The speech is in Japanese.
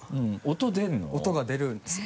音が出るんですよ。